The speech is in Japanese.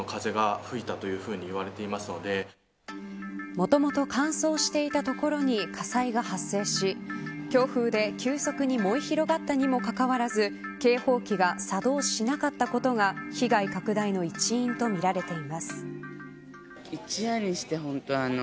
もともと乾燥していたところに火災が発生し強風で急速に燃え広がったにもかかわらず警報器が作動しなかったことが被害拡大の一因とみられています。